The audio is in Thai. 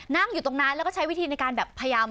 นั่งอยู่ตรงนั้นก็ใช้วิธีเนี่ยการแบบผยาม